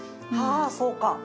ああそうか。